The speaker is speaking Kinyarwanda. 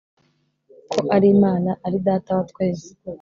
ko imana ari data wa twese